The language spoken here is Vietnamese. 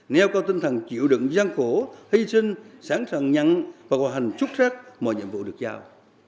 nêu cao tinh thần chịu đựng gian khổ hy sinh sẵn sàng nhận và hòa hành xuất sắc mọi nhiệm vụ được giao